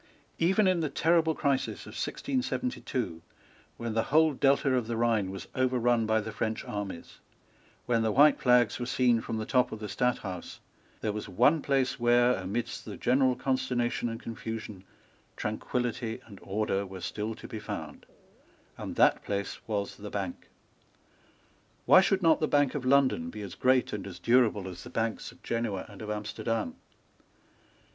Even in the terrible crisis of 1672, when the whole Delta of the Rhine was overrun by the French armies, when the white flags were seen from the top of the Stadthouse, there was one place where, amidst the general consternation and confusion, tranquillity and order were still to be found; and that place was the Bank. Why should not the Bank of London be as great and as durable as the Banks of Genoa and of Amsterdam?